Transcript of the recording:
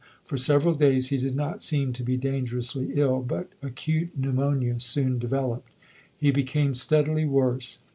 For several days, he did not seem to be dangerously ill, but acute pneumonia soon developed. He became steadily worse.